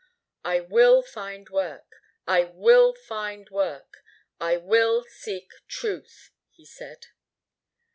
"I will find work. I will find work. I will seek Truth," he said.